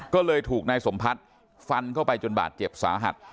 ก็เลยถูกนายสมพัฒน์ฟันเข้าไปจนบาดเจ็บสาหัส